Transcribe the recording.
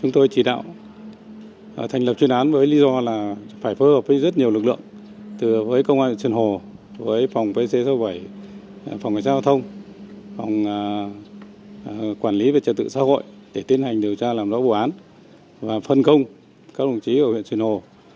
thành lập chuyên án với lý do là phải phối hợp với rất nhiều lực lượng từ với công an truyền hồ với phòng pc sáu mươi bảy phòng trang thông phòng quản lý về trật tự xã hội để tiến hành điều tra làm rõ bộ án và phân công các đồng chí ở huyện truyền hồ